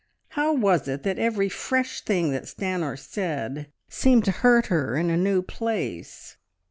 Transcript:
How was it that every fresh thing that Stanor said seemed to hurt her in a new place?